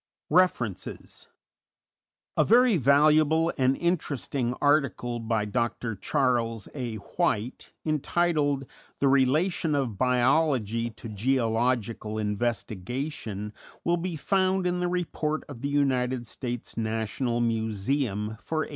REFERENCES _A very valuable and interesting article by Dr. Charles A. White, entitled "The Relation of Biology to Geological Investigation," will be found in the Report of the United States National Museum for 1892.